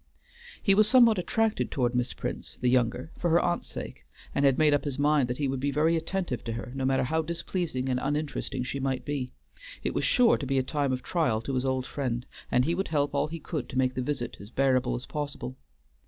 He was somewhat attracted toward Miss Prince, the younger, for her aunt's sake, and had made up his mind that he would be very attentive to her, no matter how displeasing and uninteresting she might be: it was sure to be a time of trial to his old friend, and he would help all he could to make the visit as bearable as possible.